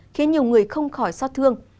khiến nhiều người không khỏi xót thương